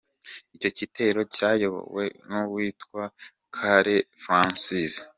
Icyo gitero cyayobowe n’uwitwa Karera François.